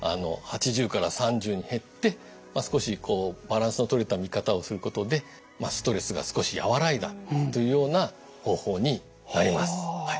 ８０から３０に減って少しこうバランスのとれた見方をすることでストレスが少し和らいだというような方法になります。